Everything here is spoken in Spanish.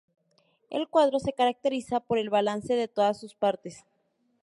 El cuadro se caracteriza por el balance de todas sus partes.